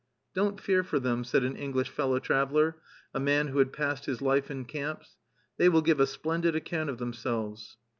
"Don't fear for them," said an English fellow traveler, a man who had passed his life in camps; "they will give a splendid account of themselves."